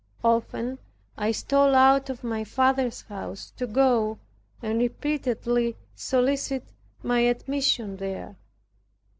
Often I stole out of my father's house to go and repeatedly solicit my admission there.